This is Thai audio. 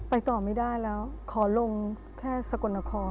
ต่อไม่ได้แล้วขอลงแค่สกลนคร